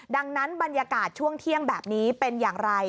ดังนั้นบรรยากาศช่วงเที่ยงแบบนี้เป็นอย่างไร